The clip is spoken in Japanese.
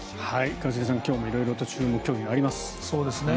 一茂さん、今日も色々と注目競技があります。